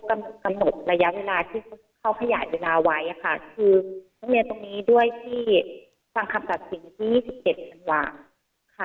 ทีนี้มันก็กำหนดระยะเวลาที่เขาขยายเวลาไว้ค่ะคือตรงนี้ด้วยที่ฝั่งคำสับสินที่๒๗ชั่วโหว่างค่ะ